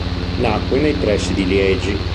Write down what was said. Nacque nei pressi di Liegi.